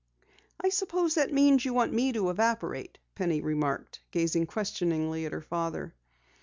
"I suppose that means you want me to evaporate," Penny remarked, gazing questioningly at her father.